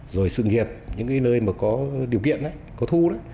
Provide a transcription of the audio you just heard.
rồi sự nghiệp những cái nơi mà có điều kiện có thu